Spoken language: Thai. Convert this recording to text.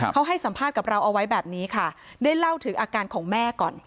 เขาให้สัมภาษณ์กับเราเอาไว้แบบนี้ค่ะได้เล่าถึงอาการของแม่ก่อน